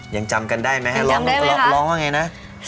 ยังจำกันได้ไหมฮะร้องว่าไงนะ